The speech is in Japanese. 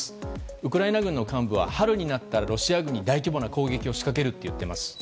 ウクライナ軍の幹部は春になったらロシア軍に大規模な攻撃を仕掛けると言っています。